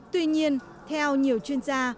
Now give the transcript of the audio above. tuy nhiên theo nhiều chuyên gia